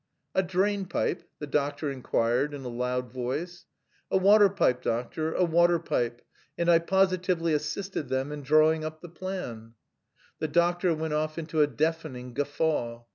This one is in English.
"A drain pipe?" the doctor inquired in a loud voice. "A water pipe, doctor, a water pipe, and I positively assisted them in drawing up the plan." The doctor went off into a deafening guffaw.